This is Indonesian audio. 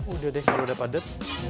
udah deh kalau udah padat